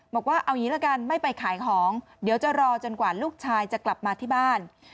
บอกว่าเอางี้ละกันไม่ไปขายของเดี๋ยวจะรอจนกว่าลูกชายจะกลับมาที่บ้าน